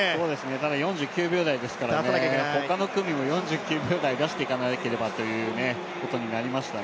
ただ４９秒台ですから、他の組も４９秒台を出していかなければとなりましたね。